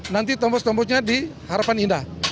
nanti tembus tembusnya di harapan indah